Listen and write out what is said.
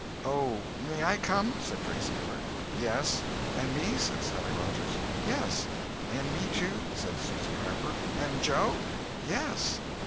"Oh, may I come?" said Grace Miller. "Yes." "And me?" said Sally Rogers. "Yes." "And me, too?" said Susy Harper. "And Joe?" "Yes."